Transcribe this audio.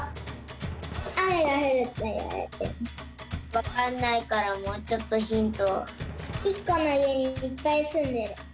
わかんないからもうちょっとヒント。